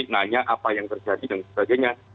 nanya apa yang terjadi dan sebagainya